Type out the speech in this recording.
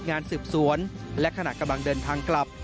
งานสืบสวนและขณะกำลังเดินทางกลับ